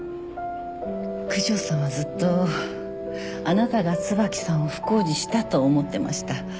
九条さんはずっとあなたが椿さんを不幸にしたと思ってました。